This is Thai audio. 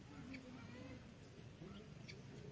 เทพธุนใช้ขนาดเทพธุน